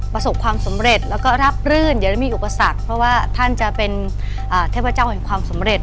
ประสบความสำเร็จแล้วก็รับรื่นเดี๋ยวจะมีอุปสรรคเพราะว่าท่านจะเป็นเทพเจ้าแห่งความสำเร็จ